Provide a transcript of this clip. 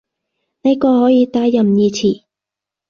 呢個可以打任意詞